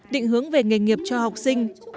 định hướng về nghề nghiệp cho học sinh